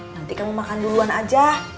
nanti kamu makan duluan aja